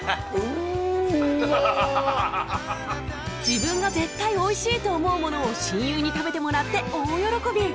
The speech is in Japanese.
自分が絶対おいしいと思うものを親友に食べてもらって大喜び！